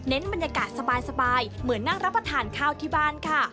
บรรยากาศสบายเหมือนนั่งรับประทานข้าวที่บ้านค่ะ